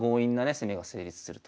攻めが成立すると。